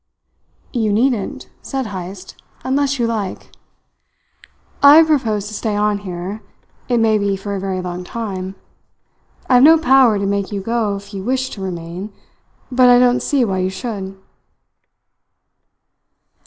"You needn't," said Heyst, "unless you like. I propose to stay on here it may be for a very long time. I have no power to make you go if you wish to remain, but I don't see why you should."